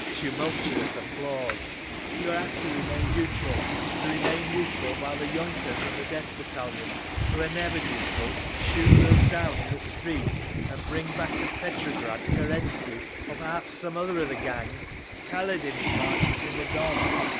Tumultuous applause. "You are asked to remain neutral—to remain neutral while the yunkers and the Death Battalions, who are never neutral, shoot us down in the streets and bring back to Petrograd Kerensky—or perhaps some other of the gang. Kaledin is marching from the Don.